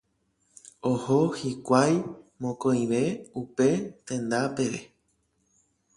Oho hikuái mokõive upe tenda peve.